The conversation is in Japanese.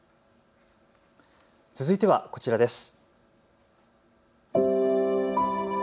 続いてはこちらです。